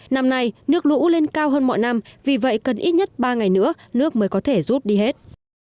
năm nay nước lũ lên cao hơn mọi năm vì vậy cần ít nhất ba ngày nữa nước mới có thể rút đi hết